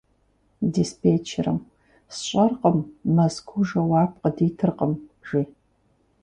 Диспетчерым: «СщӀэркъым, Мэзкуу жэуап къыдитыркъым», - жи.